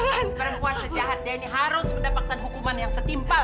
seorang perempuan sejahat dia ini harus mendapatkan hukuman yang setimpal